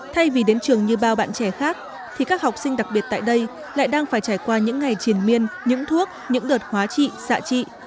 thay vì đến trường như bao bạn trẻ khác thì các học sinh đặc biệt tại đây lại đang phải trải qua những ngày triển miên những thuốc những đợt hóa trị xạ trị